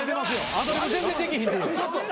アドリブ全然できひん。